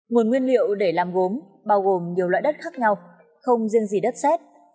nguồn nguyên liệu để làm gốm bao gồm nhiều loại đất khác nhau không riêng gì đất xét